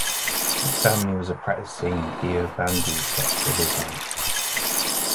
His family was a practising Deobandi-sect of Islam.